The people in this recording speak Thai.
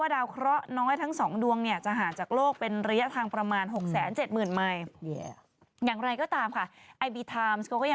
นางคิดแบบว่าไม่ไหวแล้วไปกด